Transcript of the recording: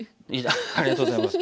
ありがとうございます。